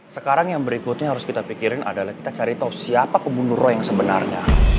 sekarang yang berikutnya harus kita pikirin adalah kita cari tahu siapa kebunuro yang sebenarnya